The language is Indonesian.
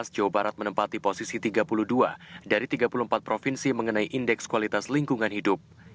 jawa barat menempati posisi tiga puluh dua dari tiga puluh empat provinsi mengenai indeks kualitas lingkungan hidup